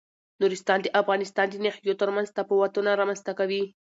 نورستان د افغانستان د ناحیو ترمنځ تفاوتونه رامنځ ته کوي.